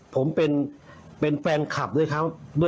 ผมเป็นแฟนคลับด้วยครับ